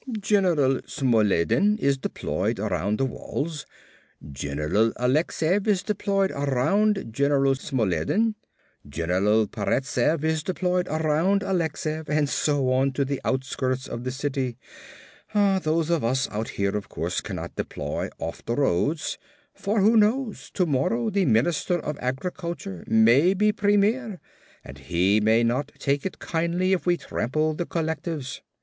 General Smolledin is deployed around the walls; General Alexeiev is deployed around General Smolledin; General Paretsev is deployed around Alexeiev and so on to the outskirts of the city. Those of us out here, of course, cannot deploy off the roads, for, who knows, tomorrow the Minister of Agriculture may be Premier and he may not take it kindly if we trample the collectives."